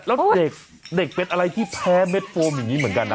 แล้วเด็กเป็นอะไรที่แพ้เม็ดโฟมอย่างนี้เหมือนกันนะ